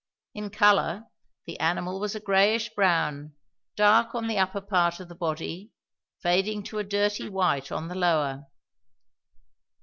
In colour the animal was a greyish brown, dark on the upper part of the body, fading to a dirty white on the lower.